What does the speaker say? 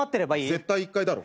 絶対１階だろ。